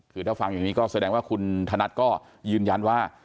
คือถ้าฟังอย่างนี้ก็แสดงว่าคุณธนัดก็ยืนยันว่า